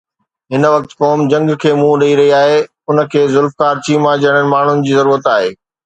هن وقت قوم جنگ کي منهن ڏئي رهي آهي، ان کي ذوالفقار چيما جهڙن ماڻهن جي ضرورت آهي.